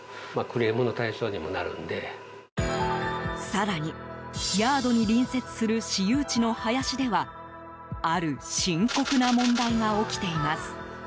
更に、ヤードに隣接する私有地の林ではある深刻な問題が起きています。